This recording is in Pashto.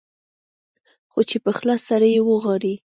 خو چې په اخلاص سره يې وغواړې.